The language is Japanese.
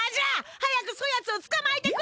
早くそやつをつかまえてくれ！